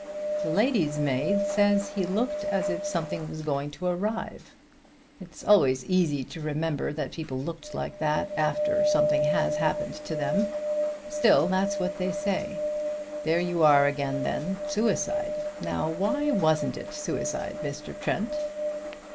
The lady's maid says he looked as if something was going to arrive. It's always easy to remember that people looked like that, after something has happened to them. Still, that's what they say. There you are again, then: suicide! Now, why wasn't it suicide, Mr. Trent?"